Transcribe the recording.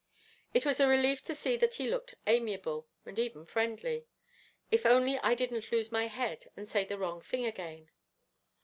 It was a relief to see that he looked amiable, and even friendly; if only I didn't lose my head and say the wrong thing again!